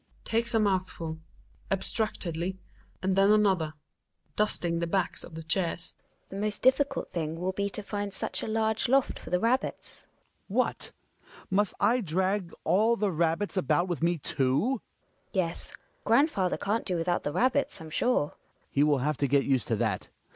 Hjalmar. H'm. ( Takes a mouthful — abstractedly ^ and then another.) Gin A {dusting the backs of the chairs). The most diffi cult thing will be to find such a large loft for the rabbits. Hjalmar. What ! Must I drag all the rabbits about with me, too? Gina. Yes, grandfather can't do without the rabbits, j[*m sure. Hjalmar. He will have to get used to that.